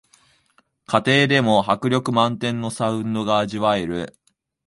家庭でも迫力満点のサウンドが味わえる